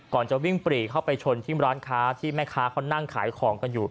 จะวิ่งปรีเข้าไปชนที่ร้านค้าที่แม่ค้าเขานั่งขายของกันอยู่